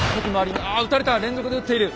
まあ撃たれた連続で撃っている。